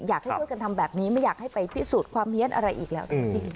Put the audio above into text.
อยากให้ช่วยกันทำแบบนี้ไม่อยากให้ไปพิสูจน์ความเฮียนอะไรอีกแล้วทั้งสิ้น